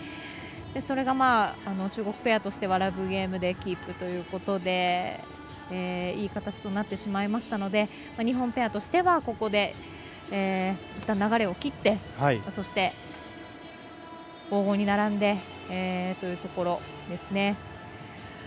それが中国ペアとしてはラブゲームでキープということでいい形となってしまいましたので日本ペアとしてはここでいったん流れを切ってそして、５−５に並んでというところですね。